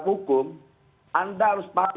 hukum anda harus paham